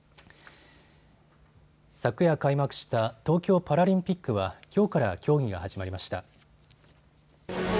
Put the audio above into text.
昨夜開幕した東京パラリンピックはきょうから競技が始まりました。